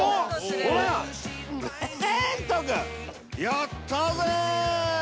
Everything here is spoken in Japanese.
やったぜー！